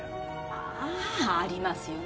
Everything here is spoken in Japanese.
ああありますよね